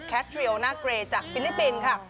แคทเรียลหน้าเกรจจากฟิลิปปินส์ค่ะ